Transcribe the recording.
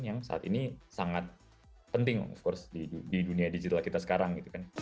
yang saat ini sangat penting di dunia digital kita sekarang